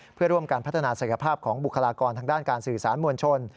เพื่อร่วมกันพัฒนาศักยภาพของบุคลากรทางด้านการสื่อสารมวลชน